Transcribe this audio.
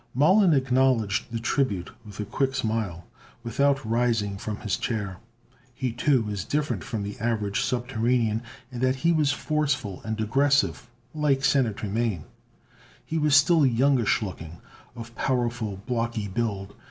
Mollon acknowledged the tribute with a quick smile, without rising from his chair. He, too, was different from the average Subterranean in that he was forceful and aggressive, like Senator Mane. He was still youngish looking, of powerful, blocky build.